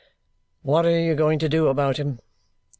"What are you going to do about him?"